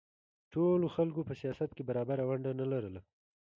ټولو خلکو په سیاست کې برابره ونډه نه لرله.